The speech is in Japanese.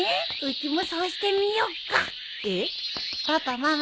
うちもそうしてみよっか。